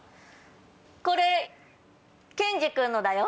これケンジ君のだよ。